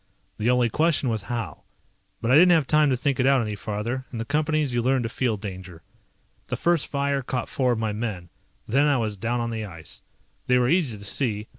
The only question was how. But I didn't have time to think it out any farther. In the Companies you learn to feel danger. The first fire caught four of my men. Then I was down on the ice. They were easy to see.